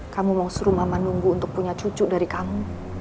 kamu mau suruh mama nunggu untuk punya cucu dari kamu